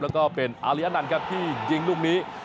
แล้วก็เป็นอาริยนันครับที่ยิงลูกนี้